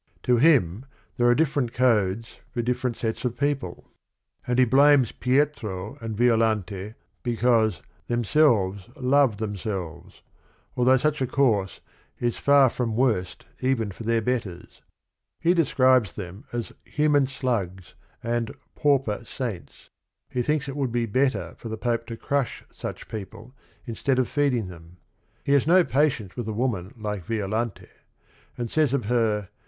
To him there are different codes for different sets of peo TERTIUM QUID 53 pie, and heJdames BietrcLjai nd Violante be cause "thems elves love th emselves "^al though such a course is "far from worst even for their betters." He describes them as "human slugs," and "pauper saints." He thinks it would be better for the Pope to crush such people instead of feeding them. He has no patience with a woman like Violante, and says of her